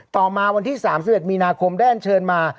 ต่อมาวันที่๓๑มีนาคมได้อันเชิญมา